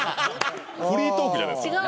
フリートークじゃないですか。